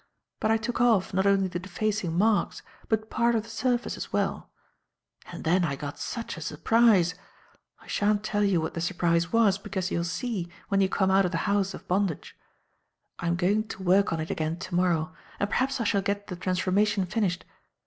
But I took off, not only the defacing marks but part of the surface as well; and then I got such a surprise! I shan't tell you what the surprise was, because you'll see, when you come out of the house of bondage. I am going to work on it again to morrow, and perhaps I shall get the transformation finished.